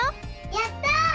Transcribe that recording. やった！